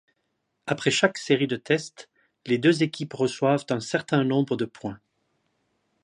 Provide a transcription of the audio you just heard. Après chaque série de tests, les deux équipes reçoivent un certain nombre de points.